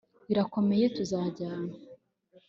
Birakomeye Tuzajyana